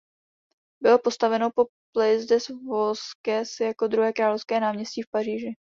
Bylo postaveno po "Place des Vosges" jako druhé královské náměstí v Paříži.